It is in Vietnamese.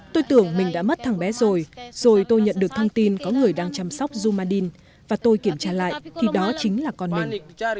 tôi tưởng mình đã mất thẳng bé rồi rồi tôi nhận được thông tin có người đang chăm sóc dumadin và tôi kiểm tra lại thì đó chính là con mình